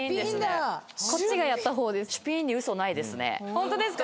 ホントですか？